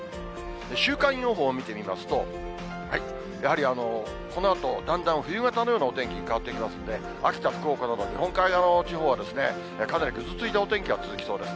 週間予報を見てみますと、やはりこのあと、だんだん冬型のようなお天気に変わってきますので、秋田、福岡など、日本海側の地方はかなりぐずついたお天気が続きそうです。